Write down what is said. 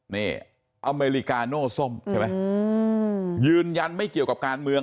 นี่อเมริกาโน่ส้มใช่ไหมยืนยันไม่เกี่ยวกับการเมือง